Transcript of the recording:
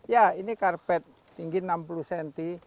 ya ini karpet tinggi enam puluh cm